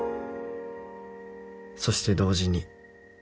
「そして同時に」